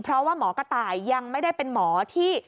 เพราะว่าหมอกระต่ายยังไม่ได้เป็นหมอที่